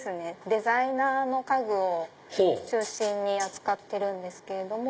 デザイナーの家具を中心に扱ってるんですけど。